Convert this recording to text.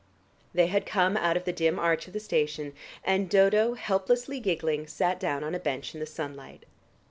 They had come out of the dim arch of the station, and Dodo, helplessly giggling, sat down on a bench in the sunlight.